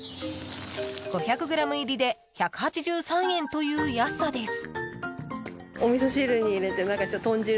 ５００ｇ入りで１８３円という安さです。